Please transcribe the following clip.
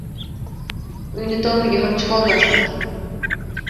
Uyni tomiga ham chiqolmasdik.